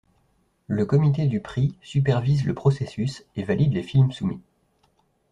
Le comité du prix supervise le processus et valide les films soumis.